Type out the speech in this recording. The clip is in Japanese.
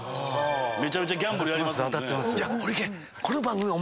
めちゃめちゃギャンブルやりますもんね。